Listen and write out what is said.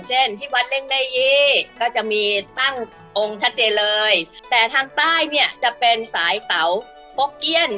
เช่นที่วัดเร่งได้ยี่ก็จะมีตั้งองค์ชัดเจนเลยแต่ทางใต้เนี่ยจะเป็นสายเตาโป๊กเกี้ยน